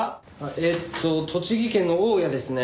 えっと栃木県の大谷ですね。